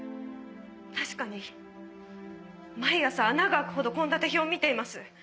確かに毎朝穴が開くほど献立表を見ています。